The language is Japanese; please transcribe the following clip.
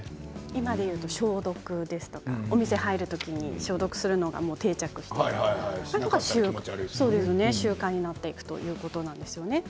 今でいうと消毒ですとかお店に入るときに消毒するのが定着しているとか習慣になっていくということなんですよね。